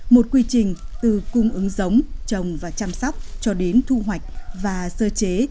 một quy trình từ cung ứng giống trồng và chăm sóc cho đến thu hoạch và sơ chế